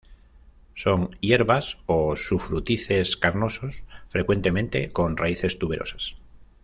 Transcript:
Son hierbas o sufrútices, carnosos, frecuentemente con raíces tuberosas.